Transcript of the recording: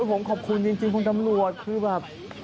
ผมขอบคุณจริงคุณตำรวจคือแบบ